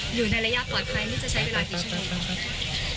ให้อยู่ในระยะปลอดภัยนี่จะใช้เวลากี่ชั่วโมง